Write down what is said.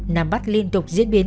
nàm bắt liên tục diễn biến